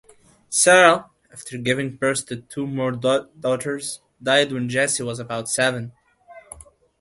Sarah, after giving birth to two more daughters died when Jessie was about seven.